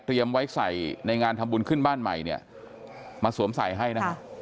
ไว้ใส่ในงานทำบุญขึ้นบ้านใหม่เนี่ยมาสวมใส่ให้นะฮะ